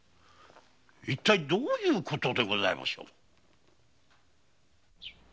一体どういうことでございましょう？